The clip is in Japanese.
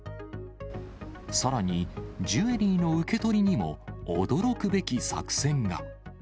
さらにジュエリーの受け取りにも驚くべき作戦が。